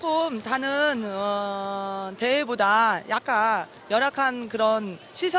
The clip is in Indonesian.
kami tidak memiliki banyak tempat untuk melakukan pertandingan